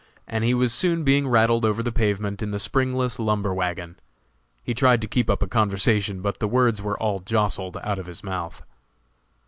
And he was soon being rattled over the pavement in the springless lumber wagon. He tried to keep up a conversation, but the words were all jostled out of his mouth.